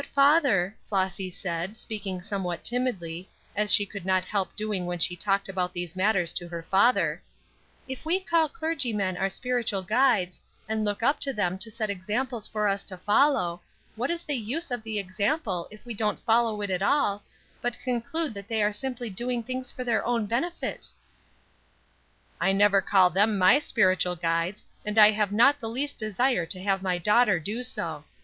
"But, father," Flossy said, speaking somewhat timidly, as she could not help doing when she talked about these matters to her father, "if we call clergymen our spiritual guides, and look up to them to set examples for us to follow, what is the use of the example if we don't follow it at all, but conclude they are simply doing things for their own benefit?" "I never call them my spiritual guides, and I have not the least desire to have my daughter do so.